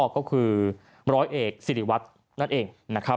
ก็คือบร้อยเอกสิริวัตน์นั่นเอง